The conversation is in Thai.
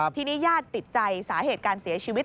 ทีนี้ญาติติดใจสาเหตุการเสียชีวิต